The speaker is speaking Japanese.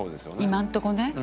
今のとこね。